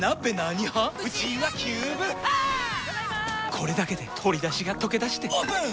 これだけで鶏だしがとけだしてオープン！